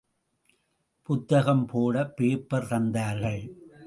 புத்தகம் போட பேப்பர் தந்தார்கள்.